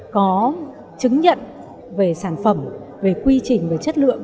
có chứng nhận về sản phẩm về quy trình về chất lượng